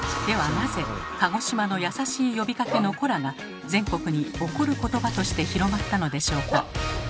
なぜ鹿児島の優しい呼びかけの「コラ」が全国に怒る言葉として広まったのでしょうか？